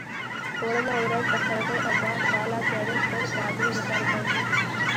وړمه ورځ د قرغې او باغ بالا جاده شپږو ساعتونو لپاره بنده وه.